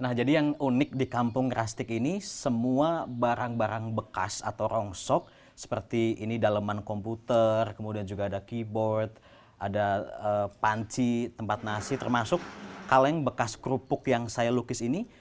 nah jadi yang unik di kampung ngerastik ini semua barang barang bekas atau rongsok seperti ini daleman komputer kemudian juga ada keyboard ada panci tempat nasi termasuk kaleng bekas kerupuk yang saya lukis ini